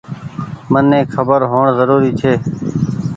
مني کبر هوئڻ زروري ڇي۔